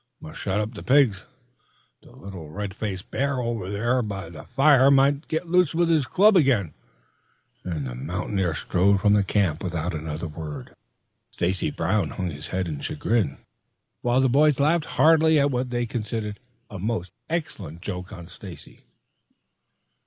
"Must shut up the pigs. The little red faced bear over there by the fire might get loose with his club again," and the mountaineer strode from the camp without another word. Stacy Brown hung his head in chagrin, while the boys laughed heartily at what they considered a most excellent joke on Stacy.